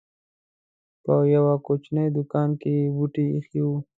په يوه کوچنۍ دوکان کې یې بوټي اېښي وو.